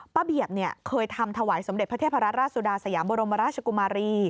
เบียบเคยทำถวายสมเด็จพระเทพราชสุดาสยามบรมราชกุมารี